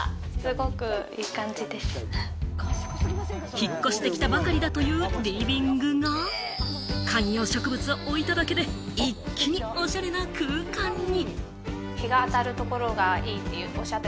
引っ越してきたばかりだというリビングが観葉植物を置いただけで、一気におしゃれな空間に。